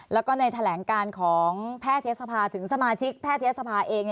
แล้วก็ในแถลงการของแพทยศภาถึงสมาชิกแพทยศภาเอง